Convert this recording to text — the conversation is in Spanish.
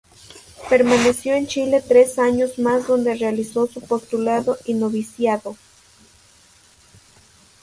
Permaneció en Chile tres años más donde realizó su postulado y noviciado.